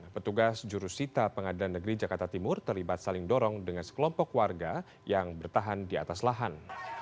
petugas jurusita pengadilan negeri jakarta timur terlibat saling dorong dengan sekelompok warga yang bertahan di atas lahan